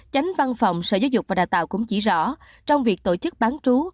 tránh văn phòng sở giáo dục và đào tạo cũng chỉ rõ trong việc tổ chức bán trú